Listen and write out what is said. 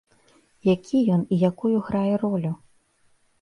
Які ён і якую грае ролю?